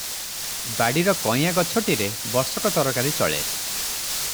ବାଡ଼ିର କୟାଁ ଗଛଟିରେ ବର୍ଷକ ତରକାରି ଚଳେ ।